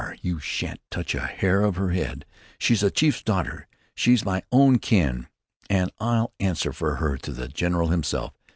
You shan't touch a hair of her head! She's a chief's daughter. She's my own kin and I'll answer for her to the general himself.